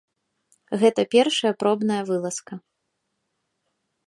Гэта першая пробная вылазка.